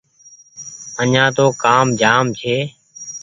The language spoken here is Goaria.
آڃآن تو ڪآم جآم ڇي